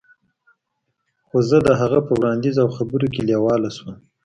خو زه د هغه په وړاندیز او خبرو کې لیواله شوم